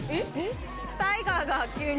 タイガーだ急に。